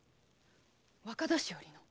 若年寄の！